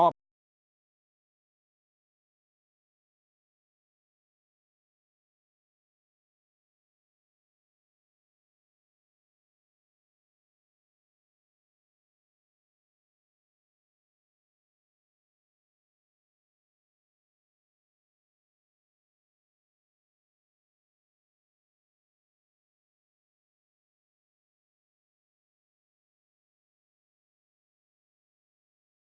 สวัสดีครับท่านผู้ชมครับ